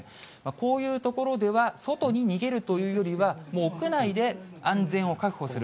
こういう所では、外に逃げるというよりは、屋内で安全を確保する。